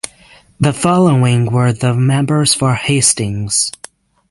The following were the members for Hastings.